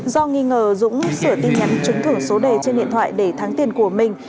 do nghi ngờ dũng sửa tin nhắn trúng thưởng số đề trên điện thoại để thắng tiền của mình